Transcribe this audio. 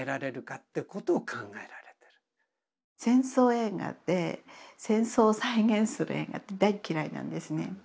戦争映画って戦争を再現する映画って大嫌いなんですね。